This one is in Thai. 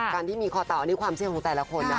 การที่มีคอเต่าอันนี้ความเชื่อของแต่ละคนนะ